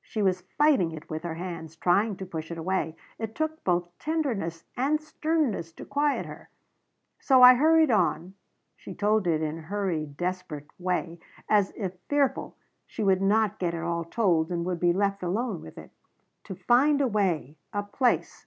She was fighting it with her hands trying to push it away. It took both tenderness and sternness to quiet her. "So I hurried on," she told it in hurried, desperate way, as if fearful she would not get it all told and would be left alone with it. "To find a way. A place.